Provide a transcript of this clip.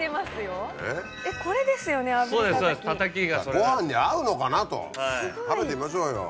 ご飯に合うのかなと食べてみましょうよ。